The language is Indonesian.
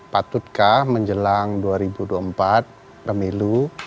patutkah menjelang dua ribu dua puluh empat pemilu